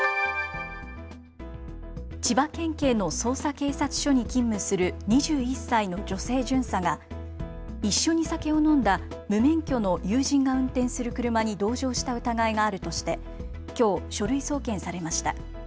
千葉県警の匝瑳警察署に勤務する２１歳の女性巡査が一緒に酒を飲んだ無免許の友人が運転する車に同乗した疑いがあるとしてきょう書類送検されました。